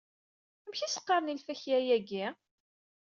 Amek i as-qqaren i lfakya -agi?